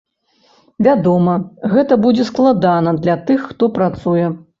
Вядома, гэта будзе складана для тых, хто працуе.